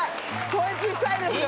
声小さいですよ！